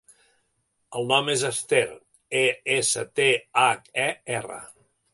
El nom és Esther: e, essa, te, hac, e, erra.